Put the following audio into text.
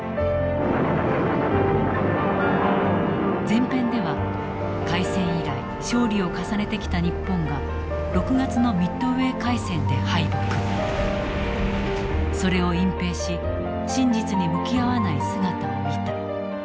前編では開戦以来勝利を重ねてきた日本が６月のミッドウェー海戦で敗北それを隠蔽し真実に向き合わない姿を見た。